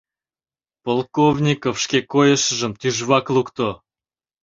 — Полковников шке койышыжым тӱжвак лукто.